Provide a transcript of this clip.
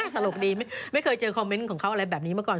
ตลกดีไม่เคยเจอคอมเมนต์ของเขาอะไรแบบนี้มาก่อน